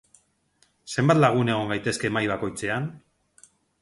Zenbat lagun egon gaitezke mahai bakoitzean?